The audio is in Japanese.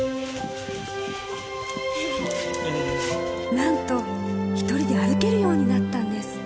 なんと、１人で歩けるようになったんです。